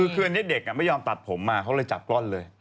คืออันนี้เด็กไม่ยอมตัดผมมาเขาเลยจับก้อนเลย